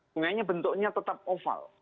sungainya bentuknya tetap oval